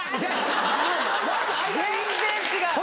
全然違う。